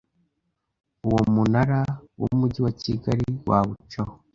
Uwo munara w’Umujyi wa Kigali wawucaho